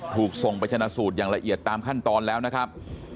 ถูกส่งไปชนะสูตรอย่างละเอียดตามขั้นตอนแล้วนะครับ